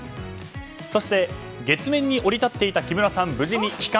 そして月面に降り立っていた木村さん